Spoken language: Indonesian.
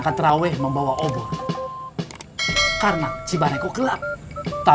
kalau mostly udah udah ngomong hoi